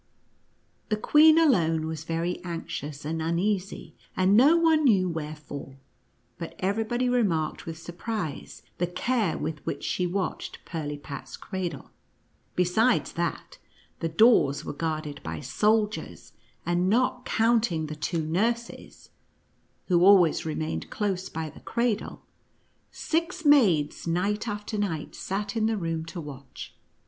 The queen alone was very anxious and uneasy, and no one knew wherefore, but every body remarked with surprise, the care with which she watched Pirli pat's cradle. Besides that the doors were guard ed by soldiers, and not counting the two nurses, 58 NUTCRACKER AND 310 USE KING. who always remained close by the cradle, six maids night after night sat in the room to watch.